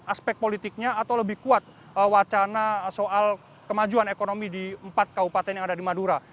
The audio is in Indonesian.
aspek politiknya atau lebih kuat wacana soal kemajuan ekonomi di empat kabupaten yang ada di madura